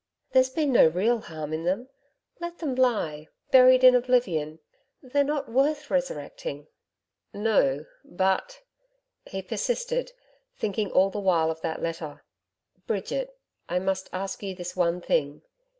There's been no real harm in them. Let them lie buried in oblivion. They're not worth resurrecting.' 'No, but,' he persisted thinking all the while of that letter 'Bridget, I must ask you this one thing.